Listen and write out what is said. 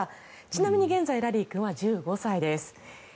ちなみに現在ラリー君は１５歳です。